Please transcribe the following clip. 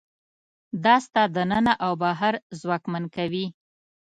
دا ستا دننه او بهر ځواکمن کوي.